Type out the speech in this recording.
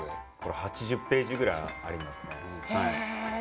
８０ページぐらいありますね。